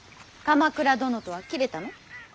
鎌倉殿とは切れたの？